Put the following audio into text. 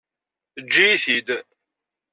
Eǧǧ-iyi-t-id.